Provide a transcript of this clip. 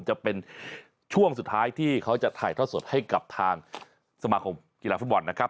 จะเป็นช่วงสุดท้ายที่เขาจะถ่ายทอดสดให้กับทางสมาคมกีฬาฟุตบอลนะครับ